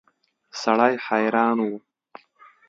سړی حیران و.